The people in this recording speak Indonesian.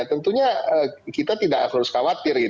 tentunya kita tidak harus khawatir